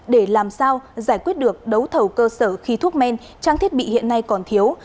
để làm sao giải quyết được đấu thầu cơ sở khí thuốc men trang thiết bị hiện nay còn thiếu